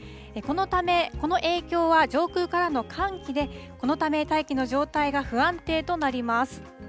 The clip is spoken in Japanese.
このため、この影響は上空からの寒気でこのため大気の状態が不安定となります。